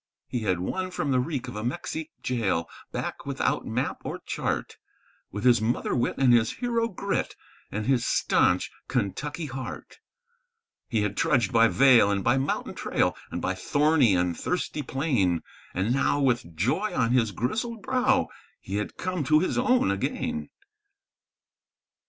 He had won from the reek of a Mexique jail back without map or chart, With his mother wit and his hero grit and his stanch Kentucky heart; He had trudged by vale and by mountain trail, and by thorny and thirsty plain, And now, with joy on his grizzled brow, he had come to his own again.